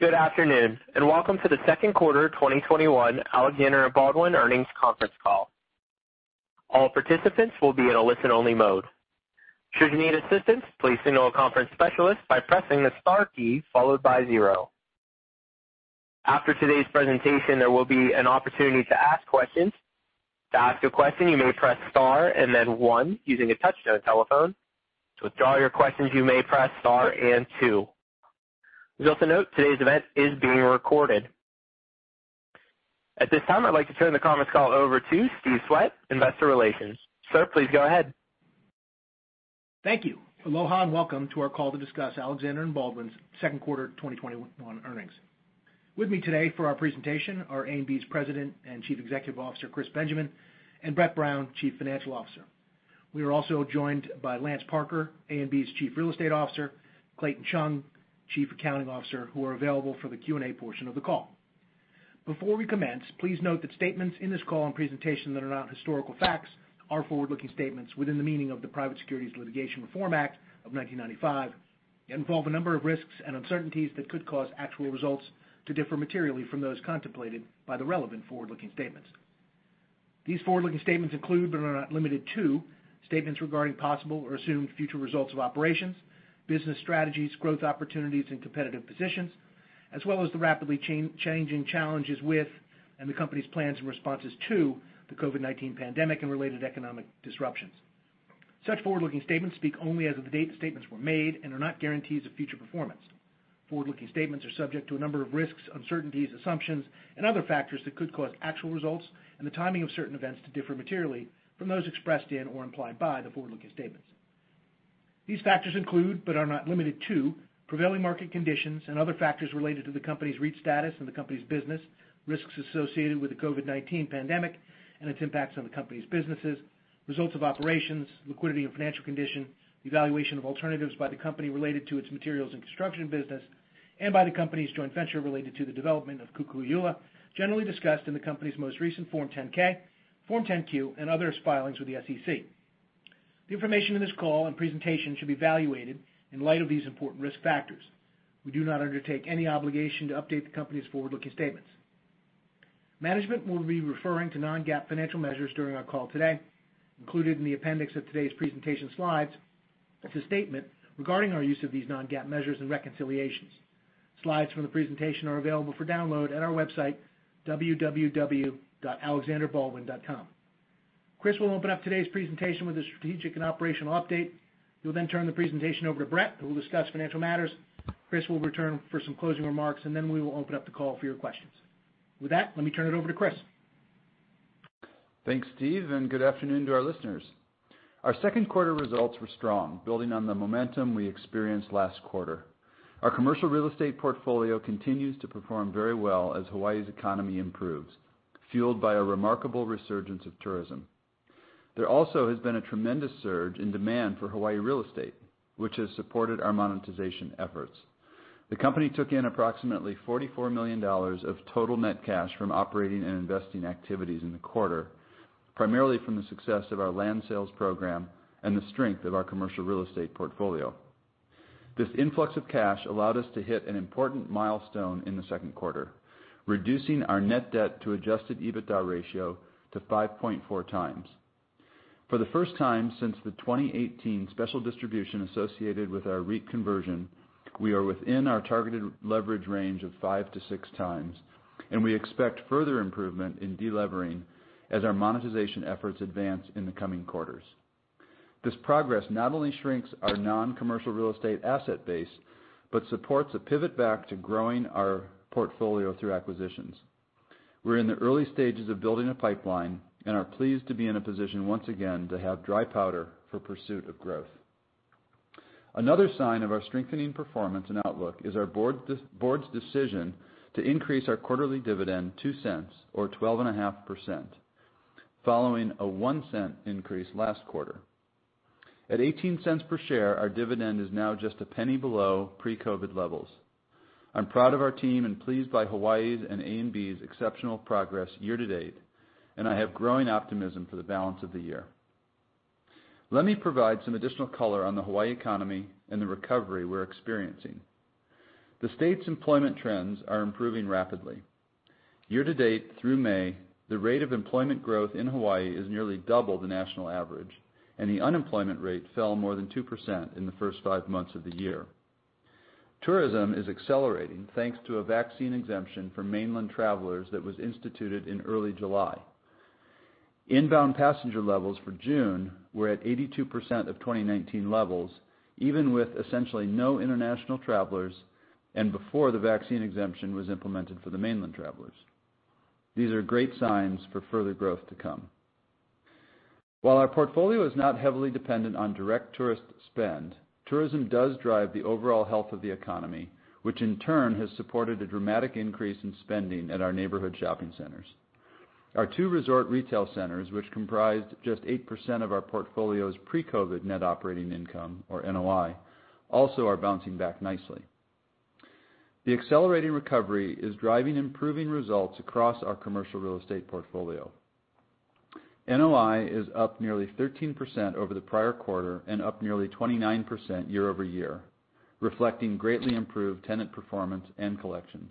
Good afternoon, welcome to the second quarter 2021 Alexander & Baldwin Earnings Conference Call. All participants will be in a listen-only mode. Should you need assistance, please signal a conference specialist by pressing the star key followed by zero. After today's presentation, there will be an opportunity to ask questions. To ask a question, you may press star and then one using a touch-tone telephone. To withdraw your questions, you may press star and two. We also note today's event is being recorded. At this time, I'd like to turn the conference call over to Steve Swett, investor relations. Sir, please go ahead. Thank you. Aloha and welcome to our call to discuss Alexander & Baldwin's second quarter 2021 earnings. With me today for our presentation are A&B's President and Chief Executive Officer, Chris Benjamin, and Brett Brown, Chief Financial Officer. We are also joined by Lance Parker, A&B's Chief Real Estate Officer, Clayton Chun, Chief Accounting Officer, who are available for the Q&A portion of the call. Before we commence, please note that statements in this call and presentation that are not historical facts are forward-looking statements within the meaning of the Private Securities Litigation Reform Act of 1995, and involve a number of risks and uncertainties that could cause actual results to differ materially from those contemplated by the relevant forward-looking statements. These forward-looking statements include, but are not limited to, statements regarding possible or assumed future results of operations, business strategies, growth opportunities, and competitive positions, as well as the rapidly changing challenges with, and the company's plans and responses to the COVID-19 pandemic and related economic disruptions. Such forward-looking statements speak only as of the date the statements were made and are not guarantees of future performance. Forward-looking statements are subject to a number of risks, uncertainties, assumptions, and other factors that could cause actual results and the timing of certain events to differ materially from those expressed in or implied by the forward-looking statements. These factors include, but are not limited to, prevailing market conditions and other factors related to the company's REIT status and the company's business, risks associated with the COVID-19 pandemic and its impacts on the company's businesses, results of operations, liquidity and financial condition, evaluation of alternatives by the company related to its materials and construction business, and by the company's joint venture related to the development of Kukui'ula, generally discussed in the company's most recent Form 10-K, Form 10-Q, and other filings with the SEC. The information in this call and presentation should be evaluated in light of these important risk factors. We do not undertake any obligation to update the company's forward-looking statements. Management will be referring to non-GAAP financial measures during our call today. Included in the appendix of today's presentation slides is a statement regarding our use of these non-GAAP measures and reconciliations. Slides from the presentation are available for download at our website, www.alexanderbaldwin.com. Chris will open up today's presentation with a strategic and operational update. He'll then turn the presentation over to Brett, who will discuss financial matters. Chris will return for some closing remarks, and then we will open up the call for your questions. Let me turn it over to Chris. Thanks, Steve, and good afternoon to our listeners. Our second quarter results were strong, building on the momentum we experienced last quarter. Our commercial real estate portfolio continues to perform very well as Hawaii's economy improves, fueled by a remarkable resurgence of tourism. There also has been a tremendous surge in demand for Hawaii real estate, which has supported our monetization efforts. The company took in approximately $44 million of total net cash from operating and investing activities in the quarter, primarily from the success of our land sales program and the strength of our commercial real estate portfolio. This influx of cash allowed us to hit an important milestone in the second quarter, reducing our net debt to adjusted EBITDA ratio to 5.4x. For the first time since the 2018 special distribution associated with our REIT conversion, we are within our targeted leverage range of 5x-6x, and we expect further improvement in delevering as our monetization efforts advance in the coming quarters. This progress not only shrinks our non-commercial real estate asset base, but supports a pivot back to growing our portfolio through acquisitions. We're in the early stages of building a pipeline and are pleased to be in a position once again to have dry powder for pursuit of growth. Another sign of our strengthening performance and outlook is our board's decision to increase our quarterly dividend $0.02 or 12.5%, following a $0.01 increase last quarter. At $0.18 per share, our dividend is now just $0.01 below pre-COVID-19 levels. I'm proud of our team and pleased by Hawaii's and A&B's exceptional progress year to date, and I have growing optimism for the balance of the year. Let me provide some additional color on the Hawaii economy and the recovery we're experiencing. The state's employment trends are improving rapidly. Year to date through May, the rate of employment growth in Hawaii is nearly double the national average, and the unemployment rate fell more than 2% in the first five months of the year. Tourism is accelerating thanks to a vaccine exemption for mainland travelers that was instituted in early July. Inbound passenger levels for June were at 82% of 2019 levels, even with essentially no international travelers and before the vaccine exemption was implemented for the mainland travelers. These are great signs for further growth to come. While our portfolio is not heavily dependent on direct tourist spend, tourism does drive the overall health of the economy, which in turn has supported a dramatic increase in spending at our neighborhood shopping centers. Our two resort retail centers, which comprised just 8% of our portfolio's pre-COVID-19 net operating income or NOI, also are bouncing back nicely. The accelerating recovery is driving improving results across our commercial real estate portfolio. NOI is up nearly 13% over the prior quarter and up nearly 29% year-over-year, reflecting greatly improved tenant performance and collections.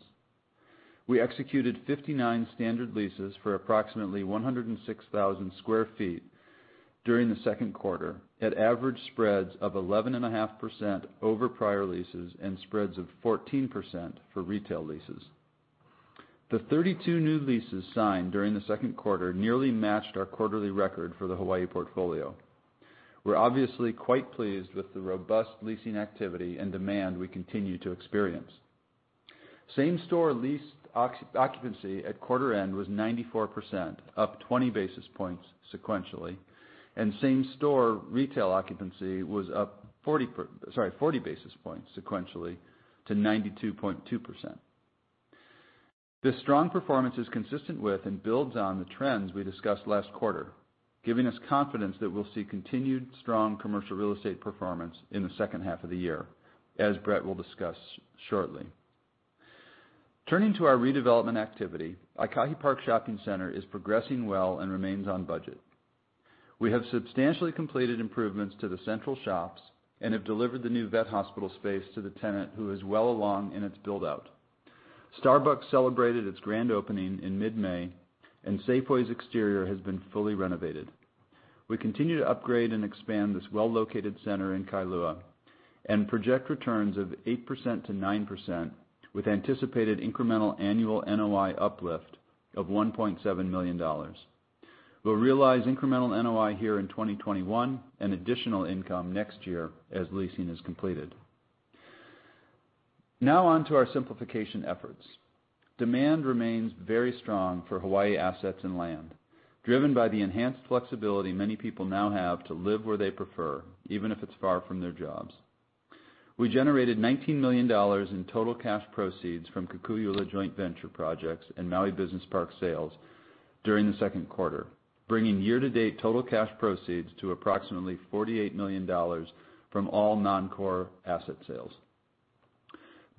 We executed 59 standard leases for approximately 106,000 sq ft during the second quarter at average spreads of 11.5% over prior leases and spreads of 14% for retail leases. The 32 new leases signed during the second quarter nearly matched our quarterly record for the Hawaii portfolio. We're obviously quite pleased with the robust leasing activity and demand we continue to experience. Same store lease occupancy at quarter end was 94%, up 20 basis points sequentially, and same store retail occupancy was up 40 basis points sequentially to 92.2%. This strong performance is consistent with and builds on the trends we discussed last quarter, giving us confidence that we'll see continued strong commercial real estate performance in the second half of the year, as Brett will discuss shortly. Turning to our redevelopment activity, Aikahi Park Shopping Center is progressing well and remains on budget. We have substantially completed improvements to the central shops and have delivered the new vet hospital space to the tenant who is well along in its build-out. Starbucks celebrated its grand opening in mid-May, and Safeway's exterior has been fully renovated. We continue to upgrade and expand this well-located center in Kailua and project returns of 8%-9% with anticipated incremental annual NOI uplift of $1.7 million. We'll realize incremental NOI here in 2021 and additional income next year as leasing is completed. On to our simplification efforts. Demand remains very strong for Hawaii assets and land, driven by the enhanced flexibility many people now have to live where they prefer, even if it's far from their jobs. We generated $19 million in total cash proceeds from Kukui'ula joint venture projects and Maui Business Park sales during the second quarter, bringing year-to-date total cash proceeds to approximately $48 million from all non-core asset sales.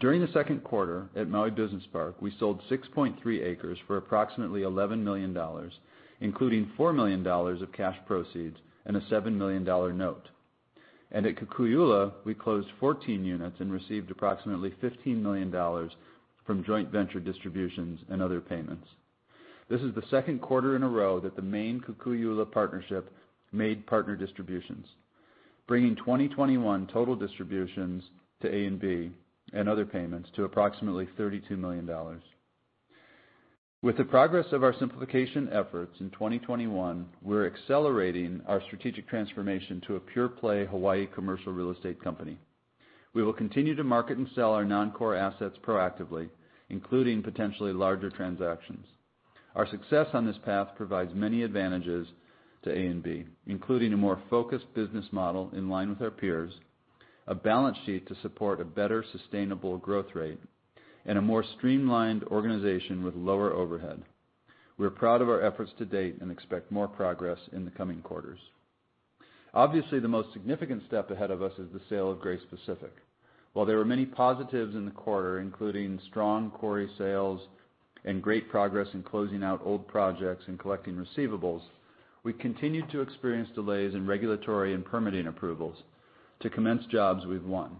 During the second quarter at Maui Business Park, we sold 6.3 acres for approximately $11 million, including $4 million of cash proceeds and a $7 million note. At Kukui'ula, we closed 14 units and received approximately $15 million from joint venture distributions and other payments. This is the second quarter in a row that the main Kukui'ula partnership made partner distributions, bringing 2021 total distributions to A&B and other payments to approximately $32 million. With the progress of our simplification efforts in 2021, we're accelerating our strategic transformation to a pure-play Hawaii commercial real estate company. We will continue to market and sell our non-core assets proactively, including potentially larger transactions. Our success on this path provides many advantages to A&B, including a more focused business model in line with our peers, a balance sheet to support a better sustainable growth rate, and a more streamlined organization with lower overhead. We're proud of our efforts to date and expect more progress in the coming quarters. Obviously, the most significant step ahead of us is the sale of Grace Pacific. While there were many positives in the quarter, including strong quarry sales and great progress in closing out old projects and collecting receivables, we continue to experience delays in regulatory and permitting approvals to commence jobs we've won.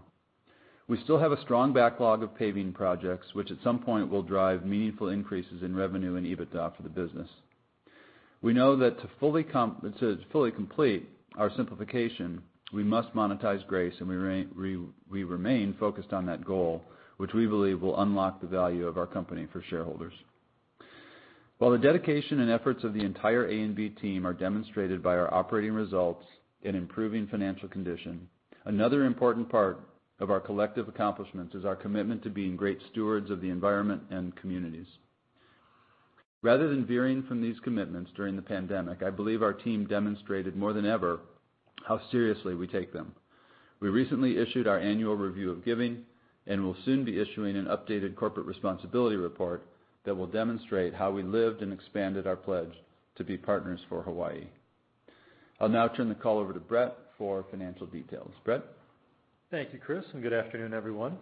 We still have a strong backlog of paving projects, which at some point will drive meaningful increases in revenue and EBITDA for the business. We know that to fully complete our simplification, we must monetize Grace, and we remain focused on that goal, which we believe will unlock the value of our company for shareholders. While the dedication and efforts of the entire A&B team are demonstrated by our operating results and improving financial condition, another important part of our collective accomplishments is our commitment to being great stewards of the environment and communities. Rather than veering from these commitments during the pandemic, I believe our team demonstrated more than ever how seriously we take them. We recently issued our annual review of giving and will soon be issuing an updated corporate responsibility report that will demonstrate how we lived and expanded our pledge to be partners for Hawaii. I'll now turn the call over to Brett for financial details. Brett? Thank you, Chris, and good afternoon, everyone.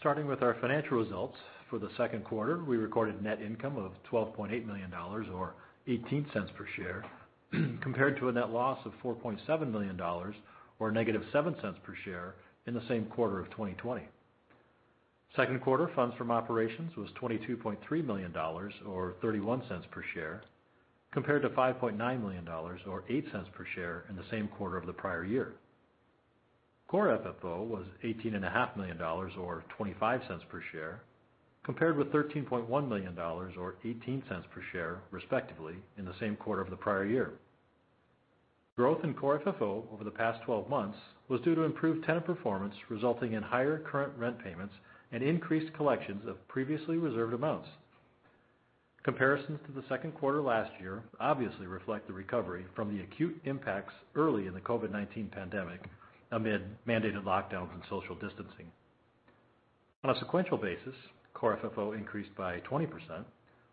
Starting with our financial results, for the second quarter, we recorded net income of $12.8 million, or $0.18 per share, compared to a net loss of $4.7 million, or -$0.07 per share, in the same quarter of 2020. Second quarter funds from operations was $22.3 million, or $0.31 per share, compared to $5.9 million, or $0.08 per share, in the same quarter of the prior year. Core FFO was $18.5 million, or $0.25 per share, compared with $13.1 million, or $0.18 per share, respectively, in the same quarter of the prior year. Growth in Core FFO over the past 12 months was due to improved tenant performance resulting in higher current rent payments and increased collections of previously reserved amounts. Comparisons to the second quarter last year obviously reflect the recovery from the acute impacts early in the COVID-19 pandemic amid mandated lockdowns and social distancing. On a sequential basis, Core FFO increased by 20%,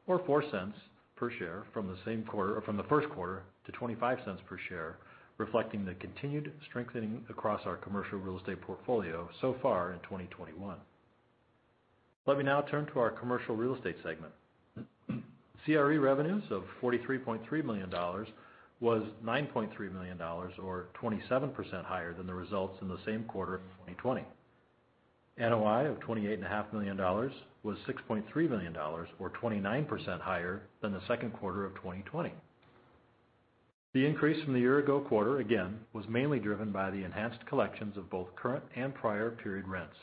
or $0.04 per share from the first quarter to $0.25 per share, reflecting the continued strengthening across our commercial real estate portfolio so far in 2021. Let me now turn to our commercial real estate segment. CRE revenues of $43.3 million was $9.3 million or 27% higher than the results in the same quarter of 2020. NOI of $28.5 million was $6.3 million or 29% higher than the second quarter of 2020. The increase from the year ago quarter, again, was mainly driven by the enhanced collections of both current and prior period rents.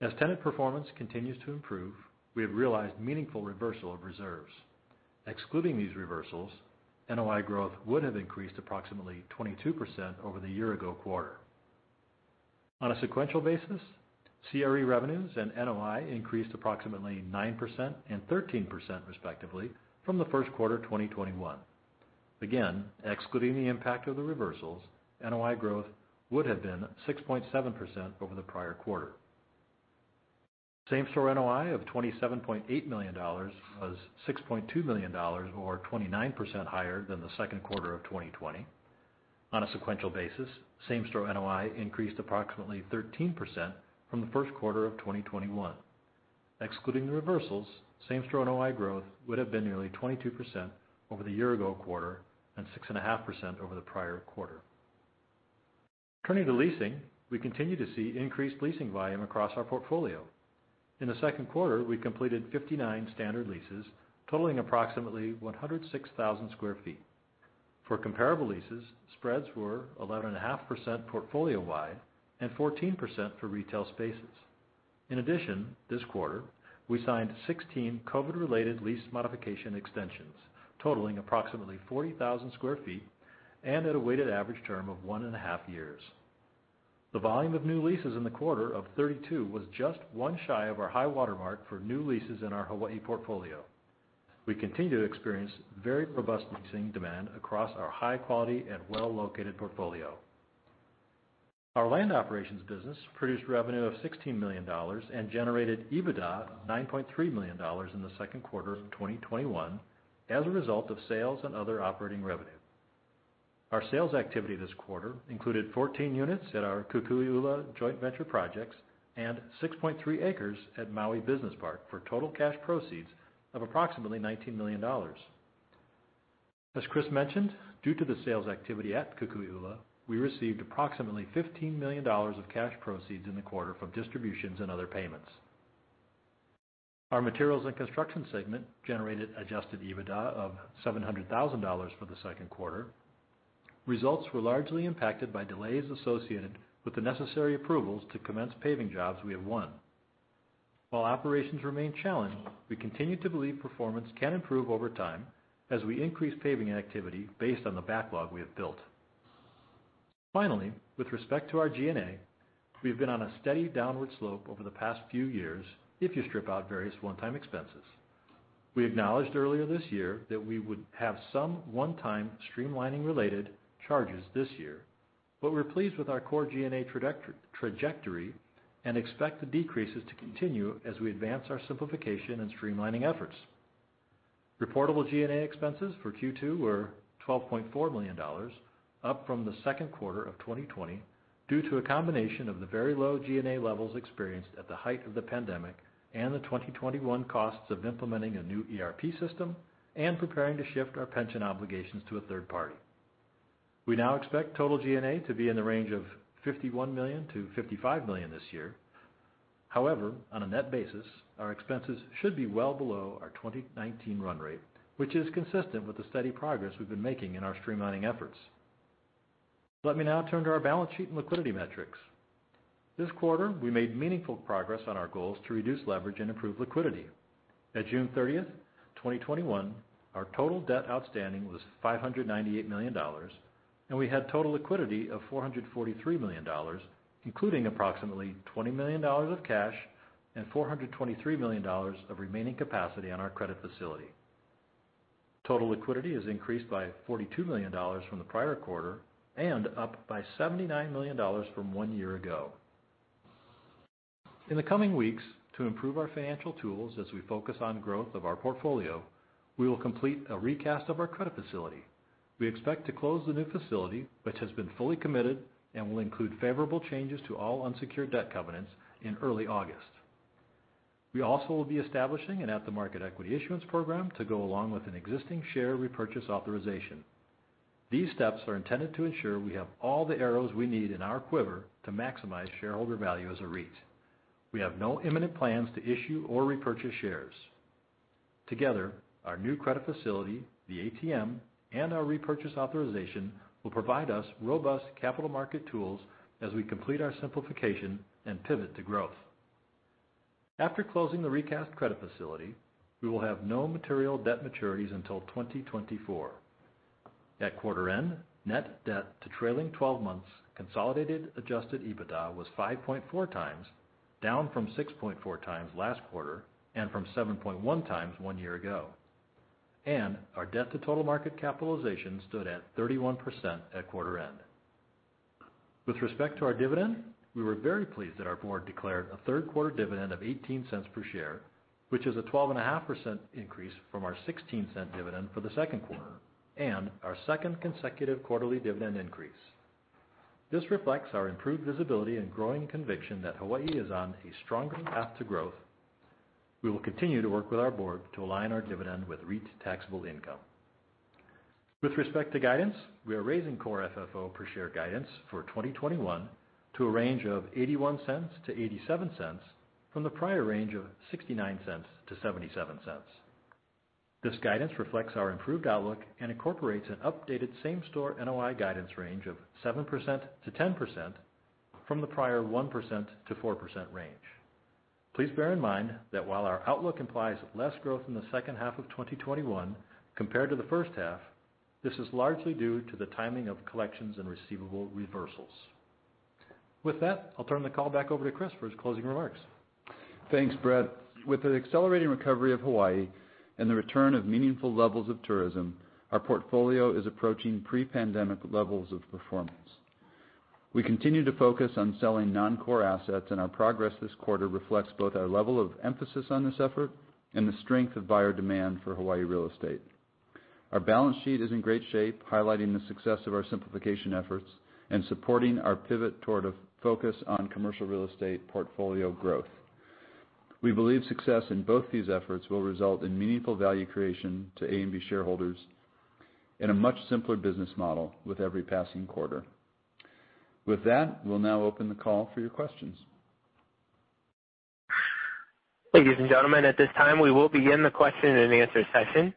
As tenant performance continues to improve, we have realized meaningful reversal of reserves. Excluding these reversals, NOI growth would have increased approximately 22% over the year ago quarter. On a sequential basis, CRE revenues and NOI increased approximately 9% and 13%, respectively, from the first quarter 2021. Again, excluding the impact of the reversals, NOI growth would have been 6.7% over the prior quarter. Same store NOI of $27.8 million was $6.2 million or 29% higher than the second quarter of 2020. On a sequential basis, same store NOI increased approximately 13% from the first quarter of 2021. Excluding the reversals, same store NOI growth would have been nearly 22% over the year ago quarter and 6.5% over the prior quarter. Turning to leasing, we continue to see increased leasing volume across our portfolio. In the second quarter, we completed 59 standard leases totaling approximately 106,000 sq ft. For comparable leases, spreads were 11.5% portfolio wide and 14% for retail spaces. This quarter, we signed 16 COVID-19 related lease modification extensions totaling approximately 40,000 square feet and at a weighted average term of one and a half years. The volume of new leases in the quarter of 32 was just one shy of our high watermark for new leases in our Hawaii portfolio. We continue to experience very robust leasing demand across our high quality and well-located portfolio. Our land operations business produced revenue of $16 million and generated EBITDA of $9.3 million in the second quarter of 2021 as a result of sales and other operating revenue. Our sales activity this quarter included 14 units at our Kukui'ula joint venture projects and 6.3 acres at Maui Business Park for total cash proceeds of approximately $19 million. As Chris mentioned, due to the sales activity at Kukui'ula, we received approximately $15 million of cash proceeds in the quarter from distributions and other payments. Our materials and construction segment generated adjusted EBITDA of $700,000 for the second quarter. Results were largely impacted by delays associated with the necessary approvals to commence paving jobs we have won. While operations remain challenged, we continue to believe performance can improve over time as we increase paving activity based on the backlog we have built. Finally, with respect to our G&A, we have been on a steady downward slope over the past few years if you strip out various one-time expenses. We acknowledged earlier this year that we would have some one-time streamlining related charges this year. We're pleased with our core G&A trajectory and expect the decreases to continue as we advance our simplification and streamlining efforts. Reportable G&A expenses for Q2 were $12.4 million, up from the second quarter of 2020 due to a combination of the very low G&A levels experienced at the height of the pandemic and the 2021 costs of implementing a new ERP system and preparing to shift our pension obligations to a third party. We now expect total G&A to be in the range of $51 million-$55 million this year. However, on a net basis, our expenses should be well below our 2019 run rate, which is consistent with the steady progress we've been making in our streamlining efforts. Let me now turn to our balance sheet and liquidity metrics. This quarter, we made meaningful progress on our goals to reduce leverage and improve liquidity. At June 30th, 2021, our total debt outstanding was $598 million, and we had total liquidity of $443 million, including approximately $20 million of cash and $423 million of remaining capacity on our credit facility. Total liquidity has increased by $42 million from the prior quarter and up by $79 million from one year ago. In the coming weeks, to improve our financial tools as we focus on growth of our portfolio, we will complete a recast of our credit facility. We expect to close the new facility, which has been fully committed and will include favorable changes to all unsecured debt covenants in early August. We also will be establishing an at-the-market equity issuance program to go along with an existing share repurchase authorization. These steps are intended to ensure we have all the arrows we need in our quiver to maximize shareholder value as a REIT. We have no imminent plans to issue or repurchase shares. Together, our new credit facility, the ATM, and our repurchase authorization will provide us robust capital market tools as we complete our simplification and pivot to growth. After closing the recast credit facility, we will have no material debt maturities until 2024. At quarter end, net debt to trailing 12 months consolidated adjusted EBITDA was 5.4x, down from 6.4x last quarter and from 7.1x one year ago. Our debt to total market capitalization stood at 31% at quarter end. With respect to our dividend, we were very pleased that our board declared a third quarter dividend of $0.18 per share, which is a 12.5% increase from our $0.16 dividend for the second quarter and our second consecutive quarterly dividend increase. This reflects our improved visibility and growing conviction that Hawaii is on a stronger path to growth. We will continue to work with our board to align our dividend with REIT taxable income. With respect to guidance, we are raising Core FFO per share guidance for 2021 to a range of $0.81-$0.87 from the prior range of $0.69-$0.77. This guidance reflects our improved outlook and incorporates an updated same-store NOI guidance range of 7%-10% from the prior 1%-4% range. Please bear in mind that while our outlook implies less growth in the second half of 2021 compared to the first half, this is largely due to the timing of collections and receivable reversals. With that, I'll turn the call back over to Chris for his closing remarks. Thanks, Brett. With the accelerating recovery of Hawaii and the return of meaningful levels of tourism, our portfolio is approaching pre-pandemic levels of performance. We continue to focus on selling non-core assets, and our progress this quarter reflects both our level of emphasis on this effort and the strength of buyer demand for Hawaii real estate. Our balance sheet is in great shape, highlighting the success of our simplification efforts and supporting our pivot toward a focus on commercial real estate portfolio growth. We believe success in both these efforts will result in meaningful value creation to A&B shareholders in a much simpler business model with every passing quarter. With that, we'll now open the call for your questions. Ladies and gentlemen, at this time, we will begin the question and answer session.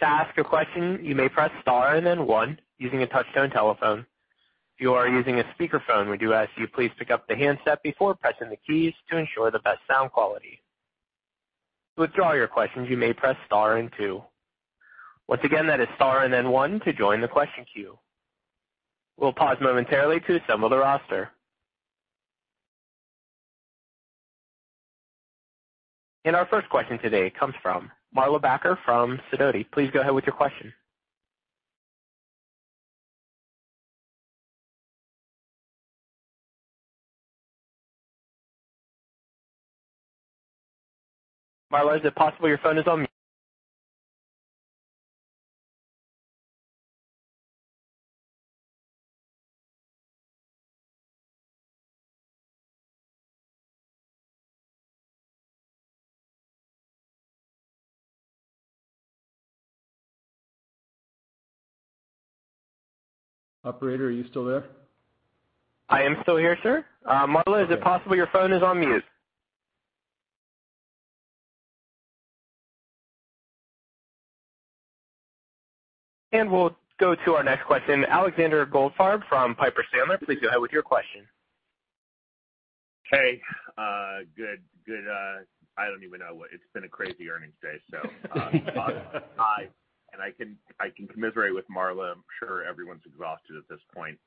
To ask a question, you may press star and then one using a touch-tone telephone. If you are using a speakerphone, we do ask you please pick up the handset before pressing the keys to ensure the best sound quality. To withdraw your questions, you may press star and two. Once again, that is star and then one to join the question queue. We'll pause momentarily to assemble the roster. Our first question today comes from Marla Backer from Sidoti. Please go ahead with your question. Marla, is it possible your phone is on mute? Operator, are you still there? I am still here, sir. Marla, is it possible your phone is on mute? We'll go to our next question. Alexander Goldfarb from Piper Sandler. Please go ahead with your question. Hey. Good. I don't even know. It's been a crazy earnings day. Hi. I can commiserate with Marla. I'm sure everyone's exhausted at this point.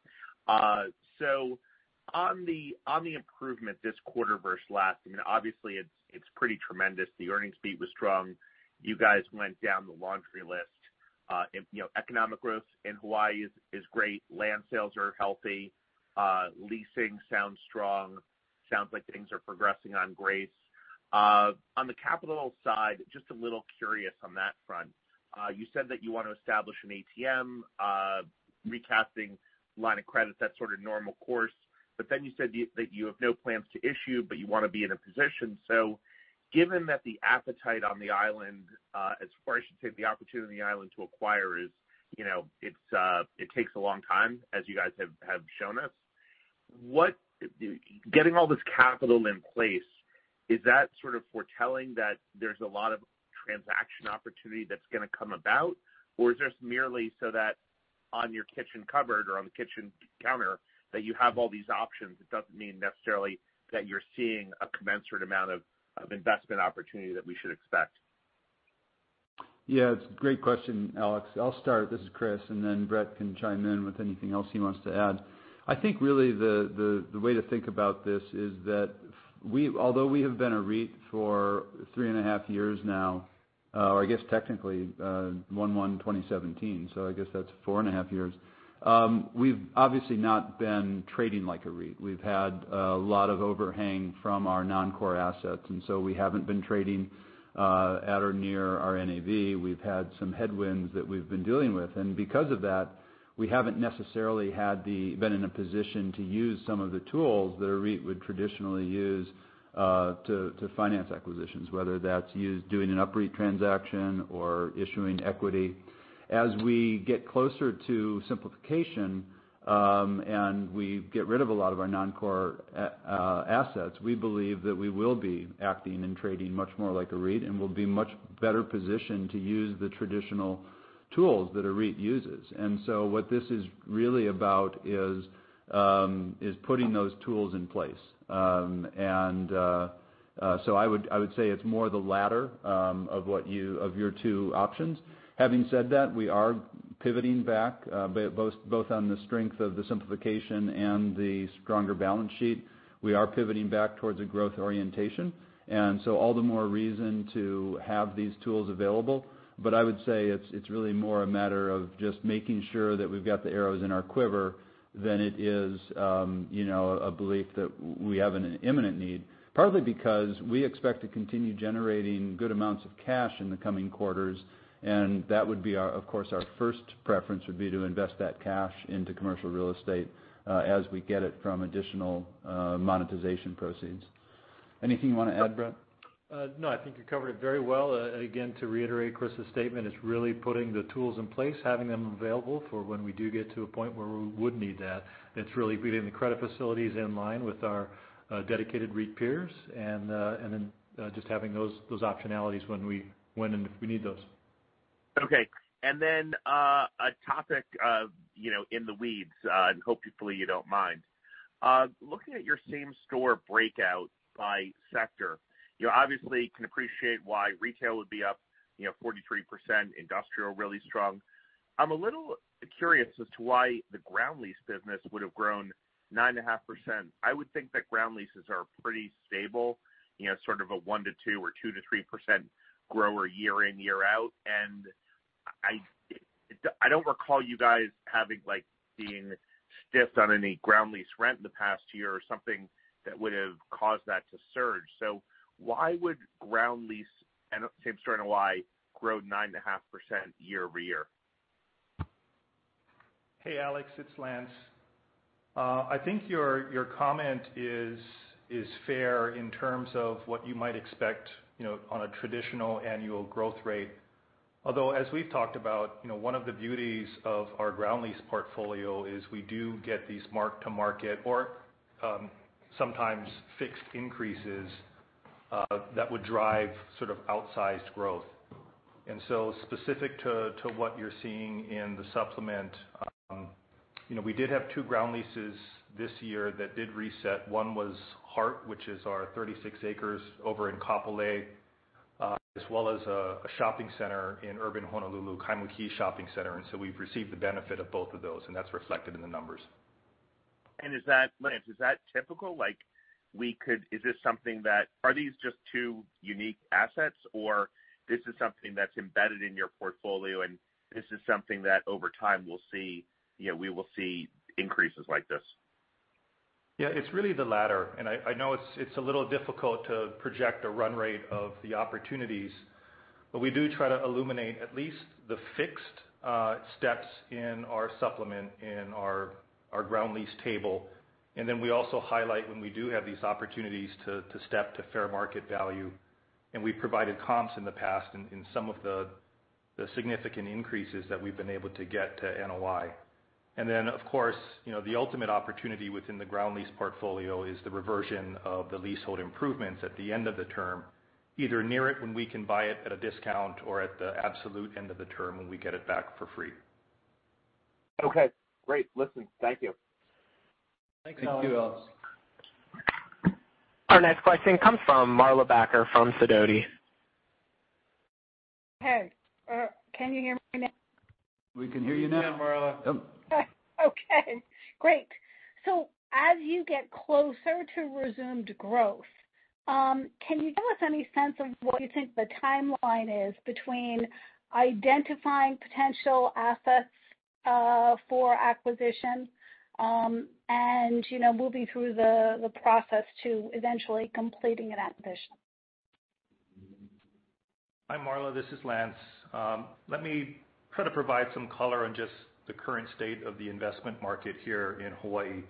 On the improvement this quarter versus last, obviously, it's pretty tremendous. The earnings beat was strong. You guys went down the laundry list. Economic growth in Hawaii is great. Land sales are healthy. Leasing sounds strong. Sounds like things are progressing on Grace. On the capital side, just a little curious on that front. You said that you want to establish an ATM, recasting line of credits, that sort of normal course. You said that you have no plans to issue, but you want to be in a position. Given that the appetite on the island, or I should say, the opportunity on the island to acquire, it takes a long time, as you guys have shown us. Getting all this capital in place, is that sort of foretelling that there's a lot of transaction opportunity that's going to come about? Or is this merely so that on your kitchen cupboard or on the kitchen counter, that you have all these options? It doesn't mean necessarily that you're seeing a commensurate amount of investment opportunity that we should expect. Yeah. It's a great question, Alex. I'll start. This is Chris, and then Brett can chime in with anything else he wants to add. I think really the way to think about this is that although we have been a REIT for three and a half years now, or I guess technically 01/01/2017, so I guess that's four and a half years, we've obviously not been trading like a REIT. We've had a lot of overhang from our non-core assets, and so we haven't been trading at or near our NAV. We've had some headwinds that we've been dealing with. Because of that, we haven't necessarily been in a position to use some of the tools that a REIT would traditionally use to finance acquisitions, whether that's doing an UPREIT transaction or issuing equity. As we get closer to simplification, and we get rid of a lot of our non-core assets, we believe that we will be acting and trading much more like a REIT and will be much better positioned to use the traditional tools that a REIT uses. What this is really about is putting those tools in place. I would say it's more the latter of your two options. Having said that, we are pivoting back both on the strength of the simplification and the stronger balance sheet. We are pivoting back towards a growth orientation, and so all the more reason to have these tools available. I would say it's really more a matter of just making sure that we've got the arrows in our quiver than it is a belief that we have an imminent need. Partly because we expect to continue generating good amounts of cash in the coming quarters, that would be, of course, our first preference would be to invest that cash into commercial real estate as we get it from additional monetization proceeds. Anything you want to add, Brett? No, I think you covered it very well. Again, to reiterate Chris's statement, it's really putting the tools in place, having them available for when we do get to a point where we would need that. It's really getting the credit facilities in line with our dedicated REIT peers, and then just having those optionalities when and if we need those. Okay. A topic in the weeds, and hopefully you don't mind. Looking at your same-store breakout by sector, you obviously can appreciate why retail would be up 43%, industrial, really strong. I'm a little curious as to why the ground lease business would have grown 9.5%. I would think that ground leases are pretty stable, sort of a 1%-2% or 2%-3% grower year in, year out. I don't recall you guys having being stiffed on any ground lease rent in the past year or something that would have caused that to surge. Why would ground lease and same store NOI grow 9.5% year-over-year? Hey, Alex, it's Lance. I think your comment is fair in terms of what you might expect on a traditional annual growth rate. Although, as we've talked about, one of the beauties of our ground lease portfolio is we do get these mark-to-market, or sometimes fixed increases, that would drive sort of outsized growth. Specific to what you're seeing in the supplement, we did have two ground leases this year that did reset. One was HART, which is our 36 acres over in Kapolei, as well as a shopping center in urban Honolulu, Kaimuki Shopping Center, and so we've received the benefit of both of those, and that's reflected in the numbers. Lance, is that typical? Are these just two unique assets or this is something that's embedded in your portfolio, and this is something that over time we will see increases like this? Yeah, it's really the latter. I know it's a little difficult to project a run rate of the opportunities, but we do try to illuminate at least the fixed steps in our supplement in our ground lease table. We also highlight when we do have these opportunities to step to fair market value, and we've provided comps in the past in some of the significant increases that we've been able to get to NOI. Of course, the ultimate opportunity within the ground lease portfolio is the reversion of the leasehold improvements at the end of the term, either near it when we can buy it at a discount or at the absolute end of the term when we get it back for free. Okay, great. Listen, thank you. Thanks, Alex. Thank you, Alex. Our next question comes from Marla Backer from Sidoti. Hey. Can you hear me now? We can hear you now. We can hear Marla. Yep. Okay, great. As you get closer to resumed growth, can you give us any sense of what you think the timeline is between identifying potential assets for acquisition, and moving through the process to eventually completing an acquisition? Hi, Marla. This is Lance. Let me try to provide some color on just the current state of the investment market here in Hawaii.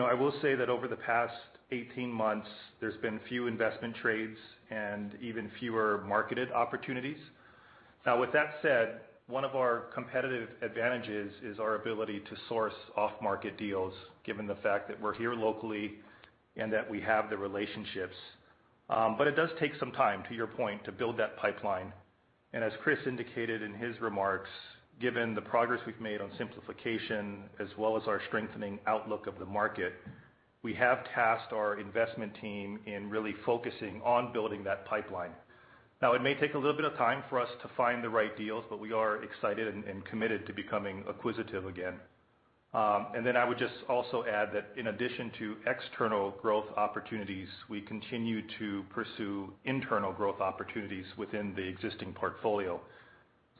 I will say that over the past 18 months, there's been few investment trades and even fewer marketed opportunities. With that said, one of our competitive advantages is our ability to source off-market deals, given the fact that we're here locally and that we have the relationships. It does take some time, to your point, to build that pipeline. As Chris indicated in his remarks, given the progress we've made on simplification as well as our strengthening outlook of the market, we have tasked our investment team in really focusing on building that pipeline. It may take a little bit of time for us to find the right deals, but we are excited and committed to becoming acquisitive again. I would just also add that in addition to external growth opportunities, we continue to pursue internal growth opportunities within the existing portfolio.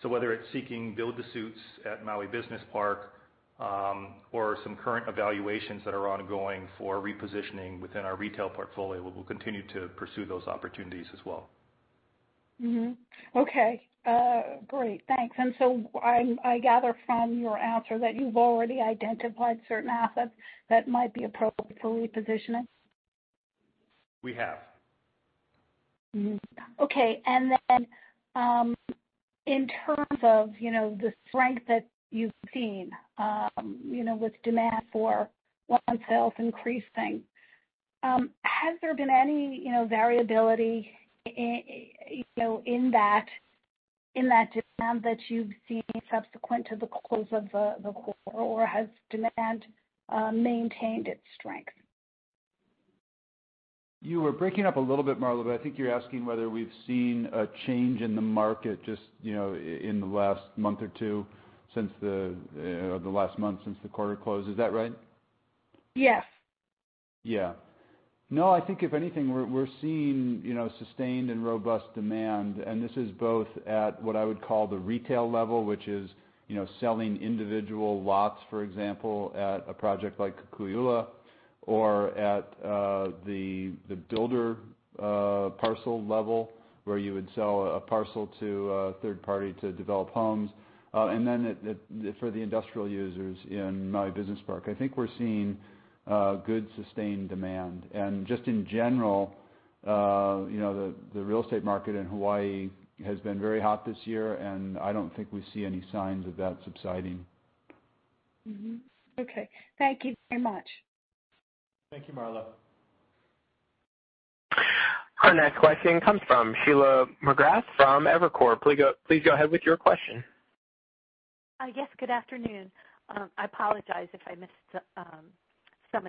Whether it's seeking build to suits at Maui Business Park, or some current evaluations that are ongoing for repositioning within our retail portfolio, we'll continue to pursue those opportunities as well. Okay. Great. Thanks. I gather from your answer that you've already identified certain assets that might be appropriate for repositioning? We have. Okay. In terms of the strength that you've seen with demand for land sales increasing, has there been any variability in that demand that you've seen subsequent to the close of the quarter, or has demand maintained its strength? You were breaking up a little bit, Marla, but I think you're asking whether we've seen a change in the market just in the last month or two since the last month since the quarter closed. Is that right? Yes. Yeah. No, I think if anything, we're seeing sustained and robust demand, and this is both at what I would call the retail level, which is selling individual lots, for example, at a project like Kukui'ula, or at the builder parcel level, where you would sell a parcel to a third party to develop homes, and then for the industrial users in Maui Business Park. I think we're seeing good sustained demand. Just in general, the real estate market in Hawaii has been very hot this year, and I don't think we see any signs of that subsiding. Mm-hmm. Okay. Thank you very much. Thank you, Marla. Our next question comes from Sheila McGrath from Evercore. Please go ahead with your question. Yes. Good afternoon. I apologize if I missed some of this, but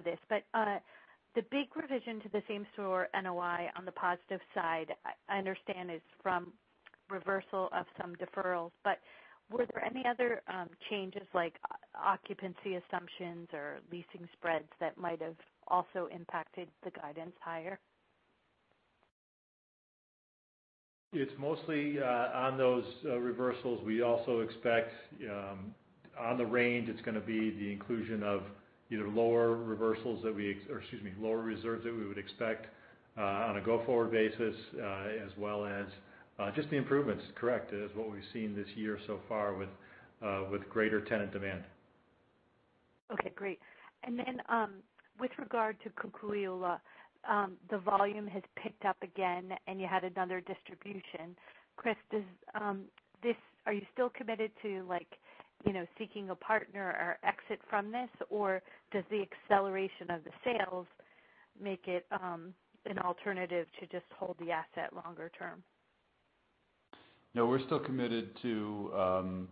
the big revision to the same-store NOI on the positive side, I understand is from reversal of some deferrals, but were there any other changes, like occupancy assumptions or leasing spreads, that might have also impacted the guidance higher? It's mostly on those reversals. We also expect on the range, it's going to be the inclusion of either lower reversals or excuse me, lower reserves that we would expect on a go-forward basis, as well as just the improvements. Correct. As what we've seen this year so far with greater tenant demand. Okay, great. With regard to Kukui'ula, the volume has picked up again, and you had another distribution. Chris, are you still committed to seeking a partner or exit from this, or does the acceleration of the sales make it an alternative to just hold the asset longer term? No, we're still committed to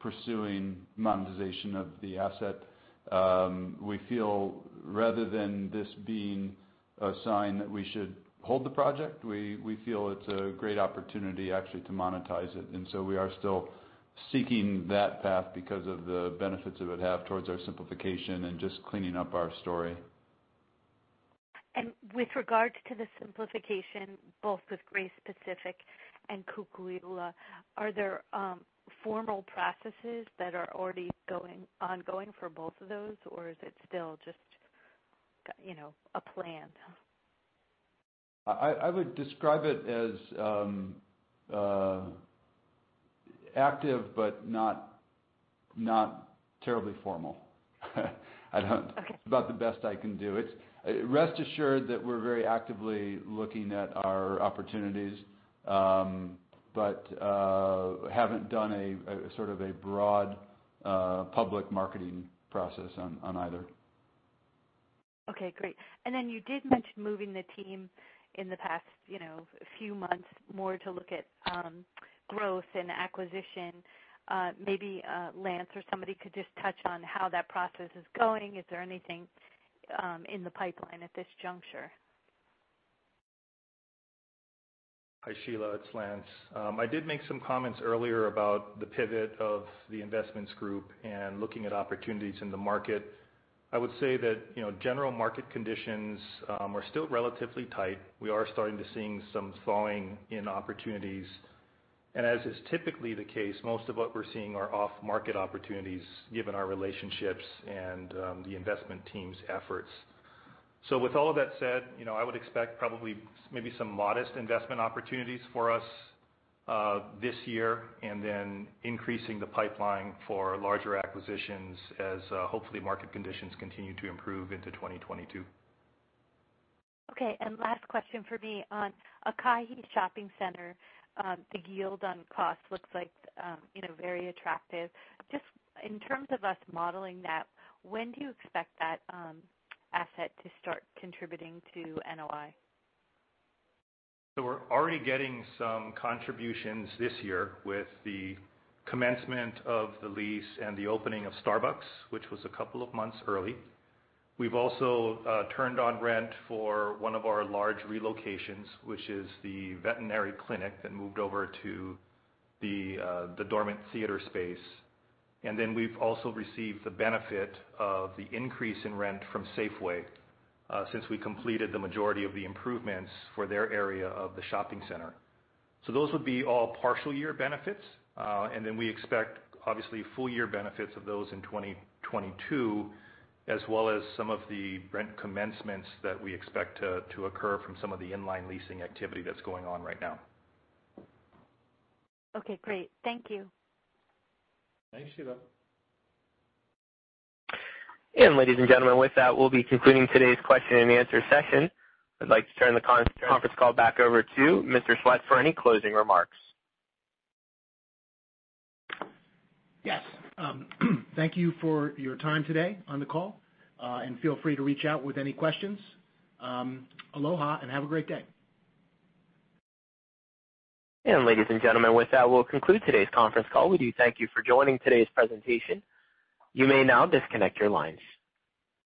pursuing monetization of the asset. We feel rather than this being a sign that we should hold the project, we feel it's a great opportunity actually to monetize it. We are still seeking that path because of the benefits it would have towards our simplification and just cleaning up our story. With regard to the simplification, both with Grace Pacific and Kukui'ula, are there formal processes that are already ongoing for both of those, or is it still just a plan? I would describe it as active but not terribly formal. Okay. About the best I can do. Rest assured that we're very actively looking at our opportunities, haven't done a sort of a broad public marketing process on either. Okay, great. You did mention moving the team in the past few months more to look at growth and acquisition. Maybe Lance or somebody could just touch on how that process is going. Is there anything in the pipeline at this juncture? Hi, Sheila, it's Lance. I did make some comments earlier about the pivot of the investments group and looking at opportunities in the market. I would say that general market conditions are still relatively tight. We are starting to see some thawing in opportunities. As is typically the case, most of what we're seeing are off-market opportunities, given our relationships and the investment team's efforts. With all of that said, I would expect probably maybe some modest investment opportunities for us this year, and then increasing the pipeline for larger acquisitions as hopefully market conditions continue to improve into 2022. Okay, last question from me. On Aikahi Park Shopping Center, the yield on cost looks very attractive. Just in terms of us modeling that, when do you expect that asset to start contributing to NOI? We're already getting some contributions this year with the commencement of the lease and the opening of Starbucks, which was a couple of months early. We've also turned on rent for one of our large relocations, which is the veterinary clinic that moved over to the dormant theater space. We've also received the benefit of the increase in rent from Safeway since we completed the majority of the improvements for their area of the shopping center. Those would be all partial year benefits. We expect, obviously, full-year benefits of those in 2022, as well as some of the rent commencements that we expect to occur from some of the in-line leasing activity that's going on right now. Okay, great. Thank you. Thanks, Sheila. Ladies and gentlemen, with that, we'll be concluding today's question and answer session. I'd like to turn the conference call back over to Mr. Swett for any closing remarks. Yes. Thank you for your time today on the call. Feel free to reach out with any questions. Aloha, and have a great day. Ladies and gentlemen, with that, we'll conclude today's conference call. We do thank you for joining today's presentation. You may now disconnect your lines.